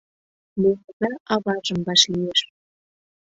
Меҥыза аважым вашлиеш.